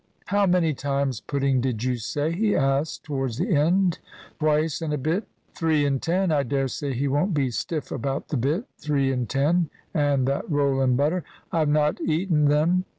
"How many times pudding did you say?" he asked towards the end, "Twice and a bit." "Three and ten; I dare say he won't be stiff about the bit, three and ten; and that roll and butter " "I've not eaten them."